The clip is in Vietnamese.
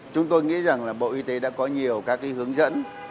chúng tôi nghĩ rằng là bộ y tế đã có nhiều các cái hướng dẫn